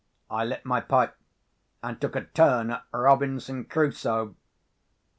I lit my pipe, and took a turn at Robinson Crusoe.